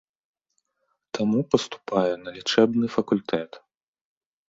Таму паступае на лячэбны факультэт.